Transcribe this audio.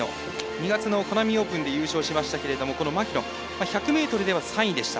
２月のコナミオープンで優勝しましたけど１００ｍでは３位でした。